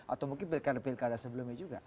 atau mungkin pilkada pilkada sebelumnya juga